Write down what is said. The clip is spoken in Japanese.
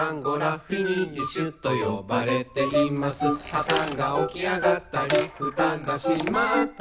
「はたが起き上がったりふたが閉まったり」